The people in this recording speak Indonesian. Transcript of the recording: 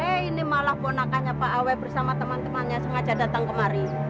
eh ini malah ponakannya pak awe bersama teman temannya sengaja datang kemari